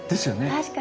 確かに。